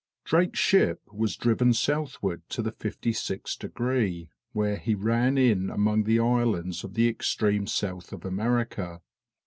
Drake's ship was driven southward to the fifty sixth degree, where he ran in among the islands of the extreme south of America.